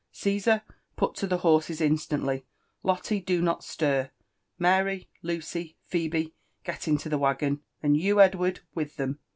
rCspsar, put to the horses instantly ; Lotto, dq pot stir ; Mary, Incy, Phebe,'gH into the waggon, and you, Edward, wjth'lhem.